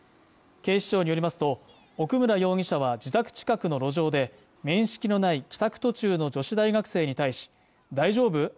警視庁によりますと奥村容疑者は自宅近くの路上で面識のない帰宅途中の女子大学生に対し大丈夫？